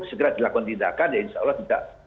segera dilakukan tindakan ya insya allah tidak